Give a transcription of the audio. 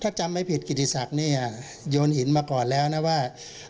ถ้าจำไม่ผิดกิติศักดิ์เนี่ยโยนหินมาก่อนแล้วนะว่า